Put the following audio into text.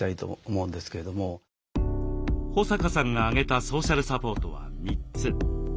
保坂さんが挙げたソーシャルサポートは３つ。